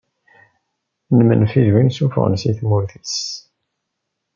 Imenfi d win sufɣen si tmurt-is.